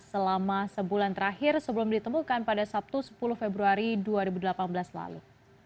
selama sebulan terakhir sebelum ditemukan pada sabtu sepuluh februari dua ribu delapan belas lalu